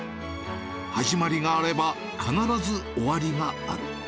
始まりがあれば、必ず終わりがある。